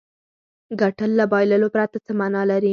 ګټل له بایللو پرته څه معنا لري.